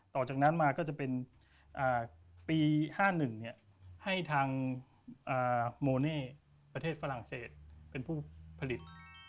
ต่อจากนั้นมาก็จะเป็นปี๕๑ให้ทางโมเน่ประเทศฝรั่งเศสเป็นผู้ผลิต